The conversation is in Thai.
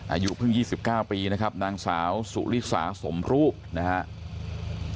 อายุเพิ่ง๒๙ปีนะครับนางสาวสุริสาสมรูปนะครับ